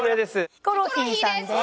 ヒコロヒーさんです。